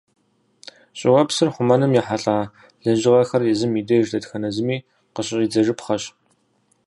Щӏыуэпсыр хъумэным ехьэлӀа лэжьыгъэхэр езым и деж дэтхэнэ зыми къыщыщӀидзэжыпхъэщ.